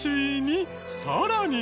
さらに。